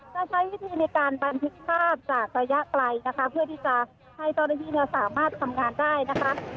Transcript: จะใช้วิธีในการบันทึกภาพจากระยะไกลนะคะเพื่อที่จะให้เจ้าหน้าที่เนี่ยสามารถทำงานได้นะคะ